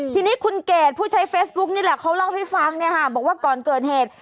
ทีนี้คุณเกดผู้ใช้เฟซบุ๊กนี่แหละเขาเล่าให้ฟังเนี่ยค่ะบอกว่าก่อนเกิดเหตุ